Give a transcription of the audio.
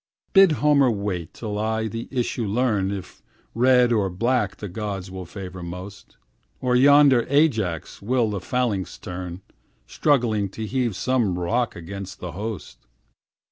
Bid Homer wait till I the issue learn, If red or black the gods will favor most, Or yonder Ajax will the phalanx turn, Struggling to heave some rock against the host.